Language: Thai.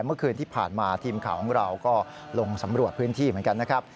เมื่อคืนที่ผ่านมาทีมข่าวของเราก็ลงสำรวจพื้นที่เหมือนกันนะครับ